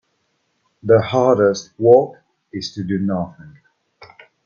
The hardest work is to do nothing.